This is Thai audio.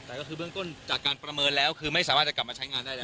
แต่ก็คือเบื้องต้นจากการประเมินแล้วคือไม่สามารถจะกลับมาใช้งานได้แล้ว